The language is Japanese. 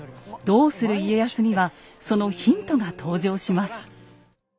「どうする家康」にはそのヒントが登場します。